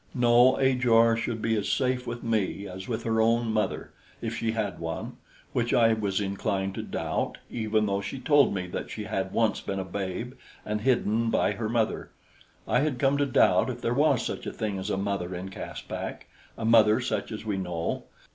No, Ajor should be as safe with me as with her own mother, if she had one, which I was inclined to doubt, even though she told me that she had once been a babe and hidden by her mother. I had come to doubt if there was such a thing as a mother in Caspak, a mother such as we know.